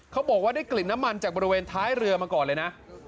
เขาบอกว่าได้กลิ่นน้ำมันจากบริเวณท้ายเรือมาก่อนเลยนะ